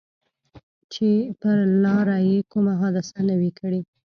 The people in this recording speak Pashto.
چې پر لاره یې کومه حادثه نه وي کړې.